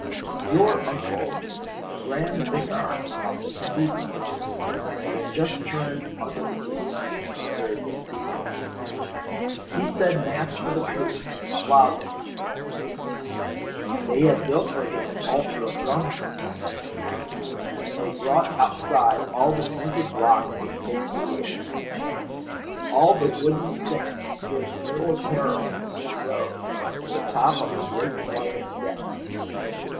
"Your uncle, the grand vicar of the cathedral, has just turned under the gate," observed Decoud. "He said Mass for the troops in the Plaza this morning. They had built for him an altar of drums, you know. And they brought outside all the painted blocks to take the air. All the wooden saints stood militarily in a row at the top of the great flight of steps.